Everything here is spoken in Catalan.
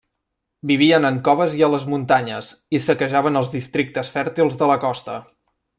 Vivien en coves i a les muntanyes i saquejaven els districtes fèrtils de la costa.